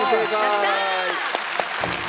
やった！